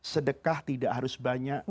sedekah tidak harus banyak